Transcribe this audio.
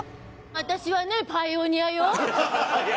私はねパイオニアよ。